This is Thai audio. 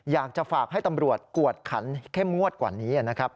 อยากจะฝากให้ตำรวจกวดขันเข้มงวดกว่านี้นะครับ